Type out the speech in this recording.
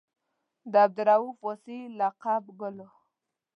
د عبدالرؤف واسعي لقب ګل و.